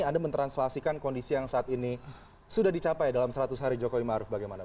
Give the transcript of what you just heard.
anda mentranslasikan kondisi yang saat ini sudah dicapai dalam seratus hari jokowi maruf bagaimana